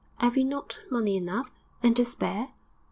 'Ave we not money enough, and to spare?'